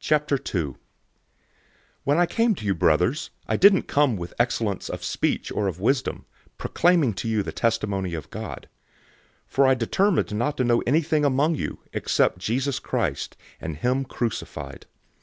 "{Jeremiah 9:24} 002:001 When I came to you, brothers, I didn't come with excellence of speech or of wisdom, proclaiming to you the testimony of God. 002:002 For I determined not to know anything among you, except Jesus Christ, and him crucified.